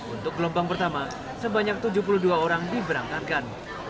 untuk gelombang pertama sebanyak tujuh puluh dua orang diberangkatkan